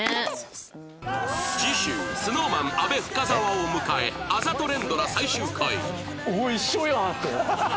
次週 ＳｎｏｗＭａｎ 阿部深澤を迎えあざと連ドラ最終回やった！